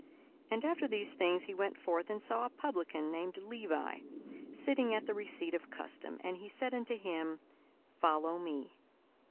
42:005:027 And after these things he went forth, and saw a publican, named Levi, sitting at the receipt of custom: and he said unto him, Follow me.